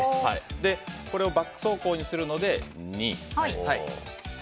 これをバック走行にするので２。